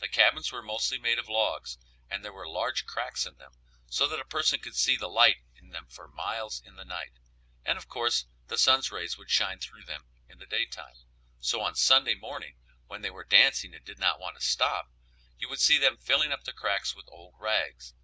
The cabins were mostly made of logs, and there were large cracks in them so that a person could see the light in them for miles in the night, and of course the sun's rays would shine through them in the daytime, so on Sunday morning when they were dancing and did not want to stop you would see them filling up the cracks with old rags.